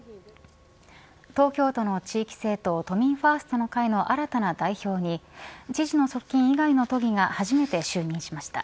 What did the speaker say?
東京都の地域政党都民ファーストの会の新たな代表に知事の側近以外の都議が初めて就任しました。